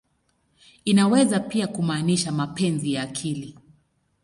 Inaweza pia kumaanisha "mapenzi ya akili.